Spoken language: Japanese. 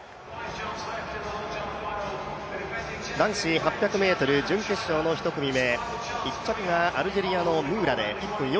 男子８００準決勝の１組目。